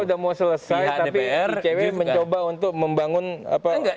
pihak dpr juga